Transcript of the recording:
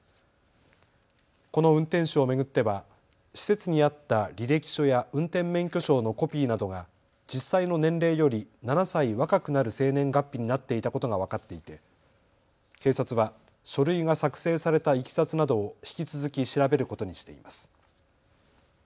この運転手を巡っては施設にあった履歴書や運転免許証のコピーなどが実際の年齢より７歳若くなる生年月日になっていたことが分かっていて警察は書類が作成されたいきさつなどを引き続き調べることにしています。